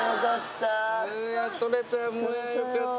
よかった。